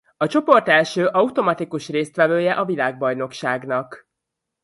A csoportelső automatikus résztvevője a világbajnokságnak.